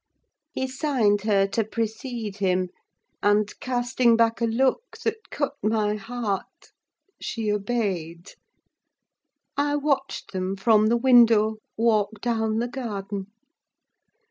He signed her to precede him; and casting back a look that cut my heart, she obeyed. I watched them, from the window, walk down the garden.